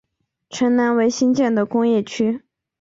城南为新建的工业区。